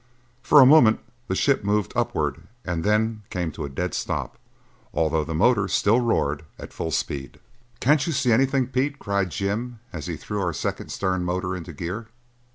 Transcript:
For a moment the ship moved upward and then came to a dead stop, although the motor still roared at full speed. "Can't you see anything, Pete?" cried Jim as he threw our second stern motor into gear.